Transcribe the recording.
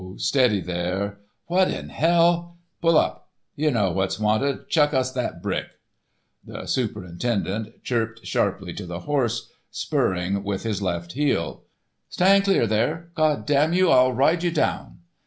Steady there! What in hell——" "Pull up. You know what's wanted. Chuck us that brick." The superintendent chirped sharply to the horse, spurring with his left heel. "Stand clear there, God damn you! I'll ride you down!"